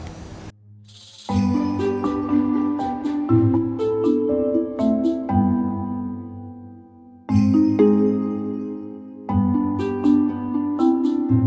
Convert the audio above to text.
โปรดติดตามตอนต่อไป